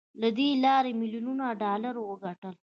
له دې لارې يې ميليونونه ډالر وګټل.